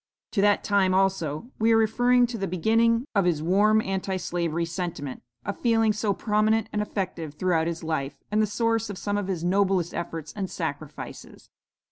To that time also, we are to refer the beginning of his warm Anti slavery sentiment, a feeling so prominent and effective throughout his life, and the source of some of his noblest efforts and sacrifices.